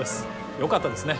よかったですね。